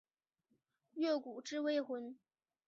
越谷治未婚。